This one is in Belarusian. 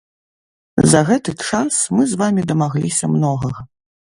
За гэты час мы з вамі дамагліся многага.